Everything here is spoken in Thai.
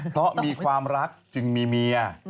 เพราะมีความรักจึงมีเมีย